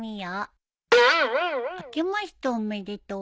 「あけましておめでとう。